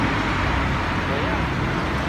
蟹仔